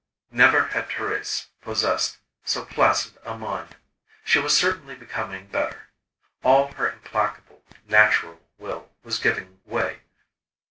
Never had Thérèse possessed so placid a mind. She was certainly becoming better. All her implacable, natural will was giving way.